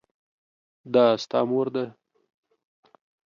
دا ستا مور ده ؟